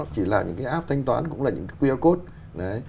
chỉ là những cái app thanh toán cũng là những cái qr code